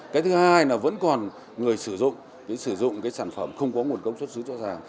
cái thứ hai là vẫn còn người sử dụng sử dụng cái sản phẩm không có nguồn gốc xuất xứ rõ ràng